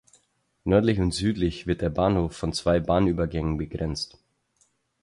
Nördlich und südlich wird der Bahnhof von zwei Bahnübergängen begrenzt.